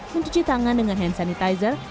mencuci tangan dengan hand sanitizer